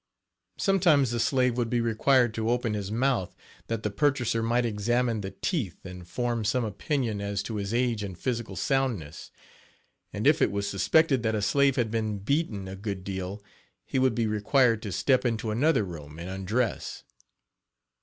Sometimes the slave would be required to open his mouth that the purchaser might examine the teeth and form some opinion as to his age and physical soundness; and if it was suspected that a slave had been beaten a good deal he would be required to step into another room and undress.